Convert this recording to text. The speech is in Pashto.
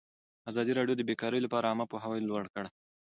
ازادي راډیو د بیکاري لپاره عامه پوهاوي لوړ کړی.